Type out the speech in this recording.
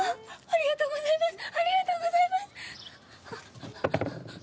ありがとうございます！